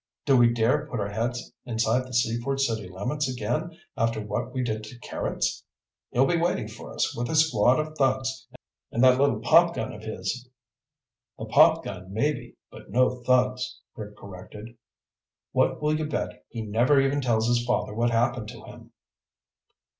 "Do we dare put our heads inside the Seaford city limits again after what we did to Carrots? He'll be waiting for us with a squad of thugs and that little popgun of his." "The popgun maybe, but no thugs," Rick corrected. "What will you bet he never even tells his father what happened to him?"